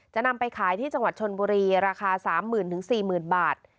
จะนำไปขายที่จังหวัดชนบุรีราคา๓๐๐๐๔๐๐๐บาท